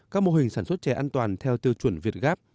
các mô hình sản xuất chè an toàn theo tiêu chuẩn việt gáp